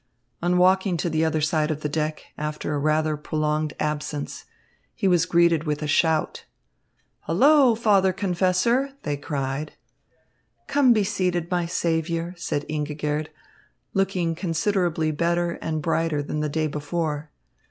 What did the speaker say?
On walking to the other side of the deck, after a rather prolonged absence, he was greeted with a shout. "Hullo, father confessor!" they cried. "Come be seated, my saviour," said Ingigerd, looking considerably better and brighter than the day before.